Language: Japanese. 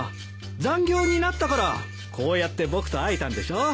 残業になったからこうやって僕と会えたんでしょ。